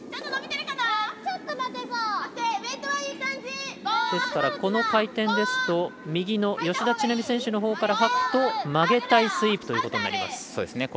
ですから、この回転ですと右の吉田知那美選手のほうからはくと曲げたいスイープということになります。